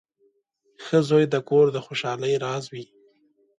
• ښه زوی د کور د خوشحالۍ راز وي.